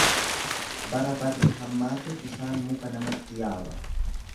Bara barri hammaate bishaan muka namatti yaaba.